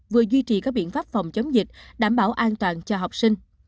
vừa duy trì các biện pháp phòng chống dịch đảm bảo an toàn cho học sinh